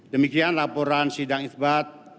demikian laporan sidang itbat